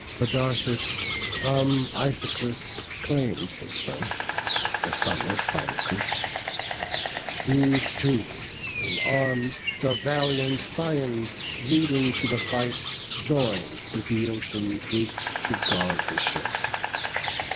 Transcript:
Podarces from Iphiclus claim'd his birth, The son of Phylacus; these two in arms The valiant Phthians leading to the fight, Join'd the Bœotian troops to guard the ships.